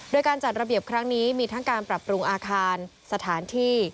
โดยการจัดระเบียบครั้งนี้มีทั้งการปรับปรุงอาคารสถานที่